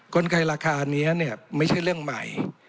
กลไกราคานี้เนี่ยไม่ใช่เรื่องใหม่